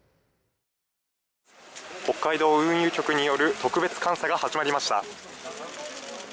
北海道運輸局による特別監査が始まりました。